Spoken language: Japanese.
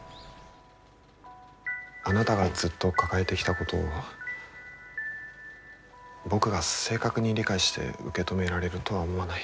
あなたがずっと抱えてきたことを僕が正確に理解して受け止められるとは思わない。